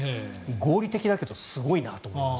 合理的だけどすごいなと思います。